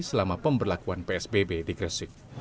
selama pemberlakuan psbb di gresik